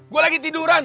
gue lagi tiduran